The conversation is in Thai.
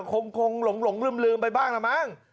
คงหลงลืมไปบ้างละมั้ง